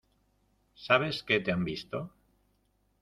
sabes que te han visto.